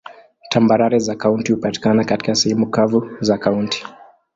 Tambarare za kaunti hupatikana katika sehemu kavu za kaunti.